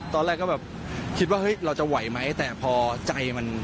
ตอนแรกก็แบบคิดว่าเฮ้ยเราจะไหวไหมแต่พอใจมัน